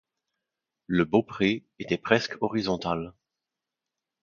Le beaupré était presque horizontal.